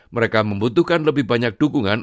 mereka membutuhkan lebih banyak dukungan